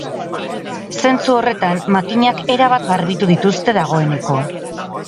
Zentzu horretan, makinak erabat garbitu dituzte dagoeneko.